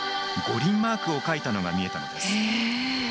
五輪マークを描いたのが見えたのです。